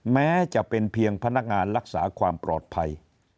แม้จะเป็นเพียงพนักงานรักษาความปลอดภัย